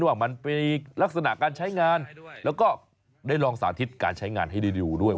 ว่ามันมีลักษณะการใช้งานแล้วก็ได้ลองสาธิตการใช้งานให้ดีด้วย